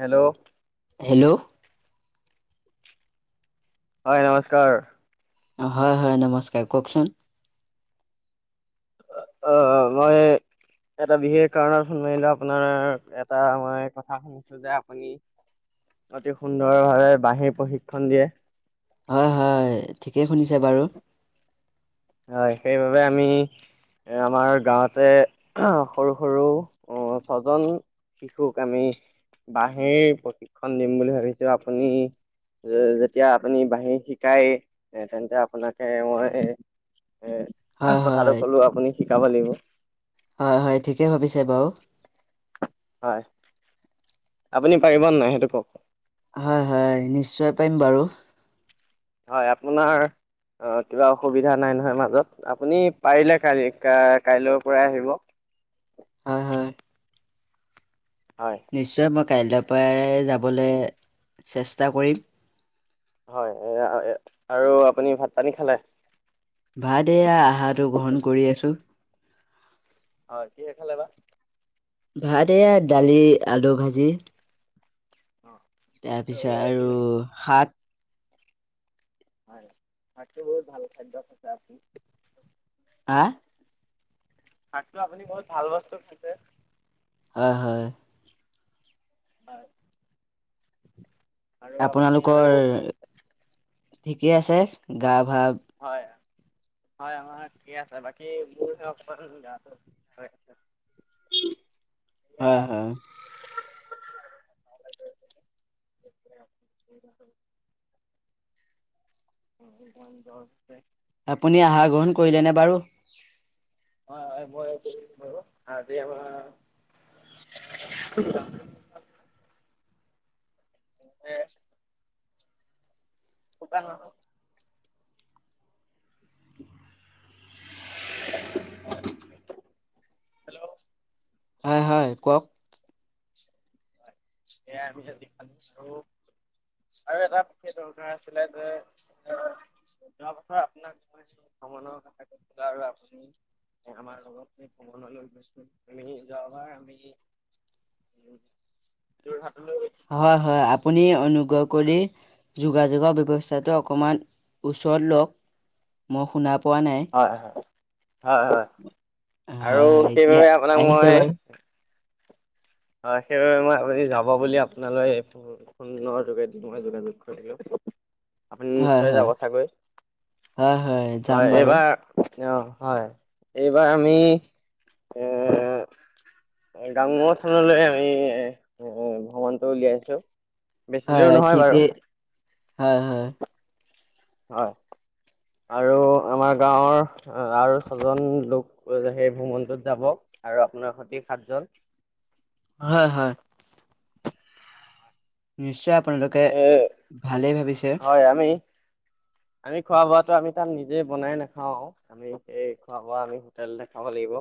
Hello hello হয় নমস্কাৰ, অঁ হয় হয় নমস্কাৰ কওকচোন, অ অ মই, এটা বিশেষ কাৰণত ফোন মাৰিলো আপোনাৰ এটা মই কথা শুনিছো যে আপুনি, অতি সুন্দৰভাৱে বাঁহী প্ৰশিক্ষণ দিয়ে, হয় হয় ঠিকেই শুনিছে বাৰু, হয় সেইবাবে আমি, আমাৰ গাঁৱতে সৰু সৰু ছজন, শিশুক আমি বাঁহীৰ প্ৰশিক্ষণ দিম বুলি ভাবিছো আপুনি, যেতিয়া আপুনি বাঁহী শিকায়ে তেন্তে আপোনাকে মই, এ হয় কথাটো হয় কলো আপুনি শিকাব লাগিব। হয় হয় ঠিকেই ভাবিছে বাৰু, হয়, আপুনি পাৰিব ন নাই সেইটো কওক? হয় হয় নিশ্চয় পাৰিম বাৰু, হয় আপোনাৰ, অ কিবা অসুবিধা নাই নহয় মাজত, আপুনি পাৰিলে কালি কাইলৈৰ পৰাই আহিব। হয় হয় হয় নিশ্চয় মই কাইলৈ পৰাই যাবলৈ চেষ্টা কৰিম, হয় আৰু আপুনি ভাত পানী খালে, ভাত এয়া আহাৰটো গ্ৰহণ কৰি আছো। হয় কি হে খালে বা? ভাত এয়া দালি আলু ভাজি, অঁ তাৰপিছত আৰু শাক, হয় ভছ বহুত ভাল খাদ্য আছে বুলি, আ ভাতটো আপুনি বহুত ভাল বস্তু খাইছে, হয় হয় হয় আৰু আপুনি আপোনালোকৰ ঠিকেই আছে গা ভা, হয় হয় আমাৰ ঠিকে আছে বাকী মোৰ হে অকমান গাটো, টিত্। হয়, হয়। এতিয়া [inaudible] আজি পুৰা মোৰ জৰ উঠিছে। আপুনি আহাৰ গ্ৰহণ কৰিলেনে বাৰু? হয় হয় আজি আমাৰ [unintelligible] [inaudible] শুকান নহয়। [inaudible] [inaudible] হয়, হয় কওক। এইয়া হৈছে যিখন চৌ আৰু এটা বিশষে দৰকাৰ আছিলে যে যোৱা বছৰ আপোনাক মই অমণৰ ককাইক গৈছিলে আৰু আপুনি। এ আমাৰ লগত যে ভ্ৰমণলৈ গৈছিলো এই যোৱাবাৰ আমি যে উম। যোৰহাটলৈ হয়, হয় আপুনি অনুগ্ৰহ কৰি যোগাযোগৰ ব্যৱস্থাটো অ কণমান ওচৰত লওক। মই শুনা পোৱা নাই। হয়, হয় হয় আৰু হয় এতিয়া সেইবাবে আপোনাক আহিছে মই বাৰু। হয়, সেইবাবে মই আপুনি যাব বুলি আপোনালৈ এই ফোন ফোনৰ যোগেদি মই যোগাযোগ কৰিলোঁ। আপুনি হয় নিশ্চয় হয় যাব চাগৈ? হয় যাম হয়, বাৰু এইবাৰ অঁ, হয় এইবাৰ আমি এ গাঙৰ স্থানলে আমি ভ্ৰ ভ্ৰমণটো উলিয়াইছোঁ। হয়, ঠিকেই। হয় হয়। হয়, আৰু আমাৰ গাঁৱৰ আৰু ছজন লোক কৰি পেলাই সেই ভ্ৰমণটোত যাব আৰু আপোনাৰ হতি সাতজন হয়, হয়। নিশ্চয়, আপোনালোকে এ ভালেই ভাবিছে। হয় আমি আমি খোৱা-বোৱা আমি তাত নিজে বনাই নাখাওঁ। আমি সেই খোৱা-বোৱা আমি হোটেলতে খাব লাগিব।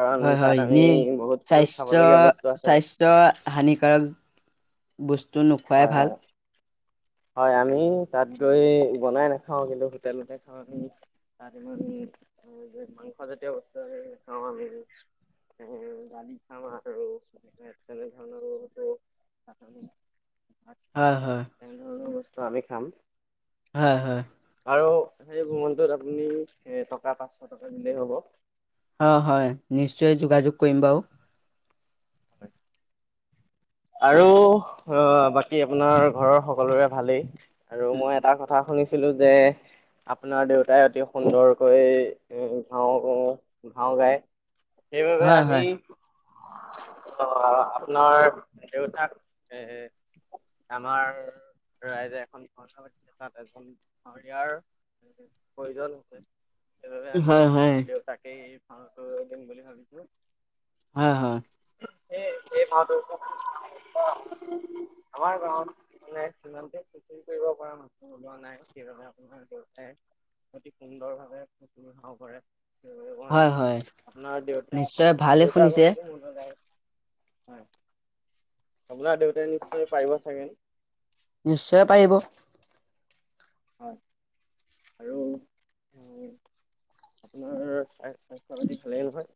কাৰণ হয় হয় তাত আমি এনেই বহুতো স্বাস্থ্য চাবলগীয়া বস্তু আছে। [unintelligible] হানিকাৰক বস্তু নোখোৱাই হয় ভাল। হয় হয়, আমি তাত গৈ বনাই নাখাওঁ কিন্তু হোটেলতে খাওঁহি। তাত এনেও আমি উম, গৈ মাংস জাতীয় বস্তু আমি নাখাওঁ আমি। উম দালি খাওঁ আৰু [inaudible] ভাত হয়, হয়। তেনে ধৰণৰ বস্তু আমি খাম। হয়, হয়। আৰু সেই ভ্ৰমনটোত আপুনি এ টকা পাঁচশ টকা দিলেই হ'ব। অঁ, হয় নিশ্চয় যোগাযোগ কৰিম বাৰু। হয়। আৰু অঁ, বাকী আপোনাৰ ঘৰৰ সকলোৰে ভালেই আৰু মই এটা কথা শুনি ছিলো যে আপোনাৰ দেউতাই অতি সুন্দৰকৈ [unintelligible] সেইবাবে হয় আমি হয় অ' আপোনাৰ দেউতাক এ' আমাৰ ৰাইজে এখন [unintelligible] সেইবাবে আমি হয় হয় আপোনাৰ দেউতাকেই ভাও দিম বুলি ভাবিছো। হয় হয় স ভটো [inaudible] আমাৰ গাঁৱত ম সমানে কৰিব পৰা মান োলোৱা নাই সেইবাবে [inaudible] তোমাৰ দেউতাই অতি সুন্দৰ ভাৱে ভাও কৰে। মই হয় হয় আপোনাৰ দেউতা নিশ্চয় - ভালে দেউতাৰ শুনিছে কথাটো মন আপোনাৰ দেউতাই নিশ্চয় পাৰিব চাগে। নিশ্চয় পাৰিব। হয়, আৰু আপোনাৰ স্ব - স্বাস্থ্য পতি ভালেই নহয়?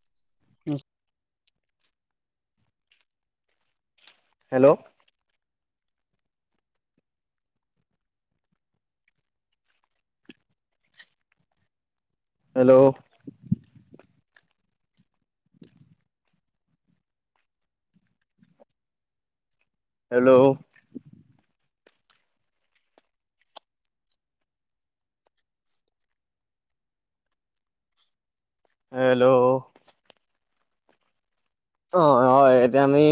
হেল্ল'। হেল্ল'। হেল্ল'। হেল্ল'। অ' হয়, এতিয়া আমি